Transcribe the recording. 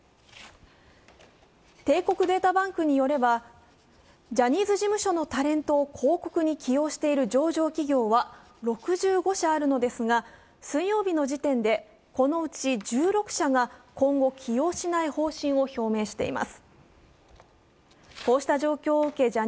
帝国データバンクによればジャニーズ事務所のタレントを広告に起用している上場企業は６５社あるのですが水曜日の時点でこのうち１６社が今後起用しない方針を表明しています。